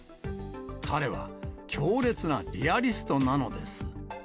彼は強烈なリアリストなのです。